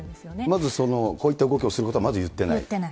まずこういった動きをするこ言ってない。